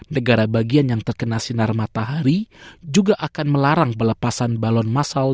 negara bagian yang terkena sinar matahari juga akan melarang pelepasan balon masal